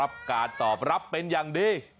รับการตอบรับเป็นอย่างดี